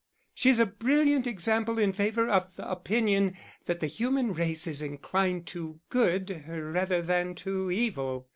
She's a brilliant example in favour of the opinion that the human race is inclined to good rather than to evil."